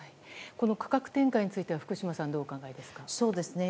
価格転嫁については福島さんどうお考えですか。